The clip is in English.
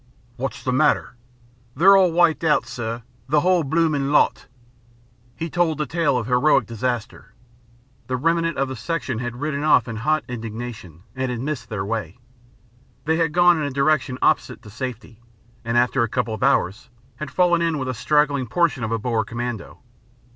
"What's the matter?" "They're all wiped out, sir. The whole blooming lot." He told a tale of heroic disaster. The remnant of the section had ridden off in hot indignation and had missed their way. They had gone in a direction opposite to safety, and after a couple of hours had fallen in with a straggling portion of a Boer Commando.